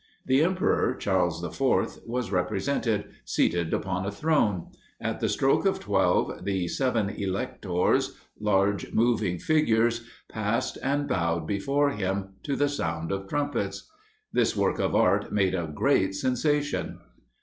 The emperor, Charles IV, was represented, seated upon a throne; at the stroke of twelve, the seven Electors, large moving figures, passed and bowed before him to the sound of trumpets. This work of art made a great sensation.